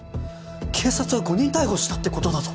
警察は誤認逮捕したってことだぞ！